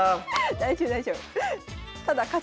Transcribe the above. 大丈夫大丈夫。